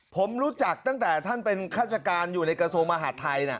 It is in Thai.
ผมรู้จักตั้งแต่ท่านเป็นฆาติการอยู่ในกระทรวงมหาดไทยนะ